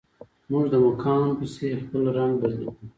موږ د مقام پسې خپل رنګ بدلوو.